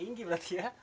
tinggi berarti ya